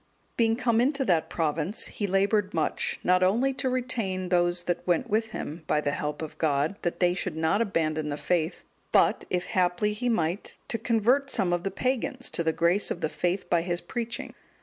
(211) Being come into that province, he laboured much, not only to retain those that went with him, by the help of God, that they should not abandon the faith, but, if haply he might, to convert some of the pagans to the grace of the faith by his preaching.